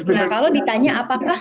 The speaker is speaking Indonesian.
nah kalau ditanya apakah